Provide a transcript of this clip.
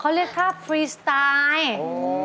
เขาเรียกค่าฟรีสไตล์